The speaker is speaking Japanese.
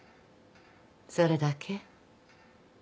それだけ？